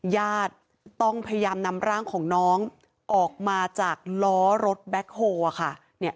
ญาติต้องพยายามนำร่างของน้องออกมาจากล้อรถแบ็คโฮลค่ะ